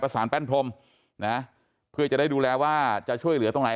สารแป้นพรมนะเพื่อจะได้ดูแลว่าจะช่วยเหลือตรงไหน